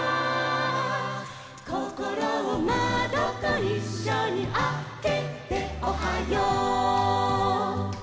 「こころをまどといっしょにあけておはよう！」